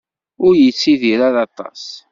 Ur yettidir ara aṭas.